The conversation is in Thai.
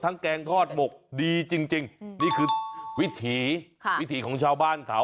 แกงทอดหมกดีจริงนี่คือวิถีวิถีของชาวบ้านเขา